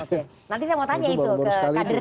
nanti saya mau tanya itu ke kadernya ini